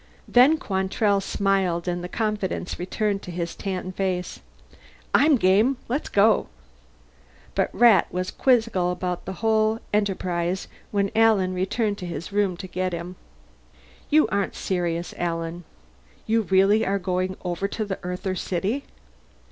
Then Quantrell smiled and the confidence returned to his tanned face. "I'm game. Let's go!" But Rat was quizzical about the whole enterprise when Alan returned to his room to get him. "You aren't serious, Alan. You really are going over to the Earther city?"